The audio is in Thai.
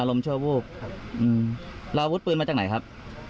อารมณ์ชั่ววูบราวุฒิปืนมาจากไหนครับ